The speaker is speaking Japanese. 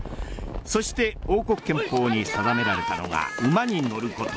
そして王国憲法に定められたのが馬に乗ること。